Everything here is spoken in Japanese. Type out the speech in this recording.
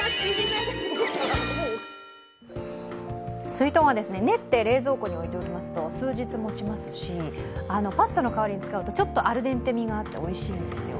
すいとんは練って冷蔵庫に置いておきますと数日もちますし、パスタの代わりに使うとちょっとアルデンテみがあっておいしいんですよ。